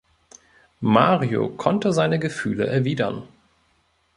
Mario konnte seine Gefühle erwidern.